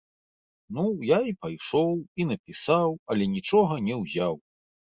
Ну я і пайшоў, і напісаў, але нічога не ўзяў.